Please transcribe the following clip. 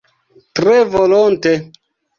Tre volonte!